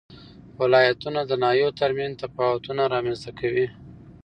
ولایتونه د ناحیو ترمنځ تفاوتونه رامنځ ته کوي.